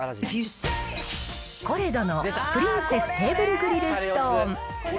コレドのプリンセス・テーブルグリルストーン。